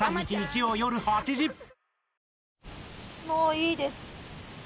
もういいです。